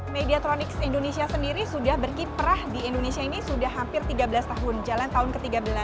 mediatronics indonesia sendiri sudah berkiprah di indonesia ini sudah hampir tiga belas tahun jalan tahun ke tiga belas